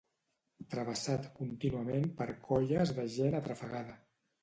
Travessat contínuament per colles de gent atrafegada